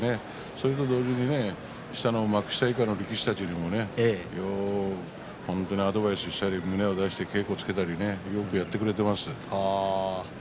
それと同時に下の幕下以下の力士たちにもよくアドバイスしたり胸を出して稽古をつけたりよくやってくれています。